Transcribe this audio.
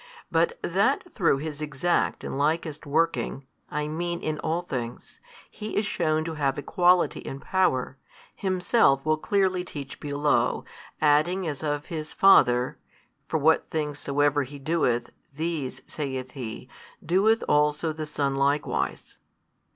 But that through His exact and likest working, I mean in all things, He is shewn to have Equality in Power, Himself will clearly teach below, adding as of His Father, for what things soever He doeth, these (saith He) doeth also the Son likewise.